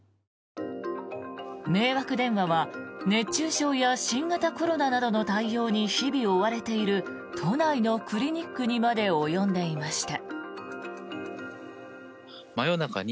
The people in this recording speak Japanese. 迷惑電話は熱中症や新型コロナなどの対応に日々追われている都内のクリニックにまで及んでいました。